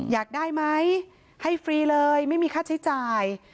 อยากได้ไหมให้ฟรีเลยไม่มีค่าใช้จ่าย